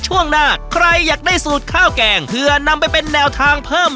ช่วงหน้าใครอยากได้สูตรข้าวแกงเพื่อนำไปเป็นแนวทางเพิ่ม